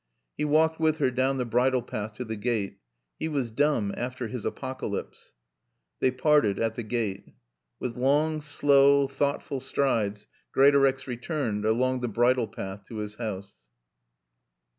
He walked with her down the bridle path to the gate. He was dumb after his apocalypse. They parted at the gate. With long, slow, thoughtful strides Greatorex returned along the bridle path to his house.